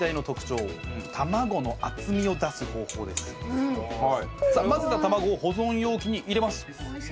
続いてさあ混ぜた卵を保存容器に入れます。